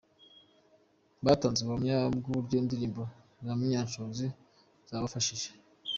Batanze ubuhamya bw'uburyo indirimbo za Munyanshoza zabafashije.